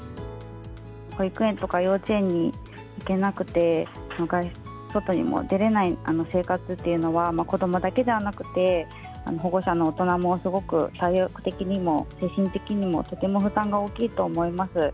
保育園とか幼稚園に行けなくて、外にも出れない生活っていうのは、子どもだけではなくて、保護者の大人もすごく体力的にも精神的にもとても負担が大きいと思います。